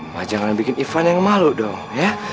wah jangan bikin ivan yang malu dong ya